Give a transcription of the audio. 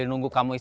kan tunggal ini